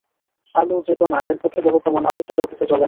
আলো যে কণা এর পক্ষে বড় প্রমাণ আলো সোজা পথে চলে।